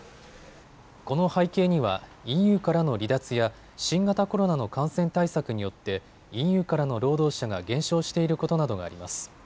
この背景にはＥＵからの離脱や新型コロナの感染対策によってＥＵからの労働者が減少していることなどがあります。